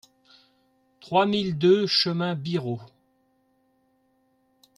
trois mille deux chemin Birot